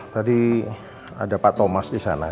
tadi ada pak thomas disana